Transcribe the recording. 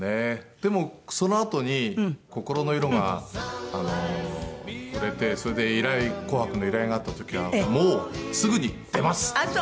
でもそのあとに『心の色』が売れてそれで依頼『紅白』の依頼があった時はもうすぐに「出ます！」っていう。